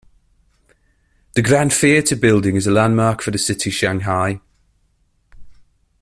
The Grand Theatre building is a landmark for the city Shanghai.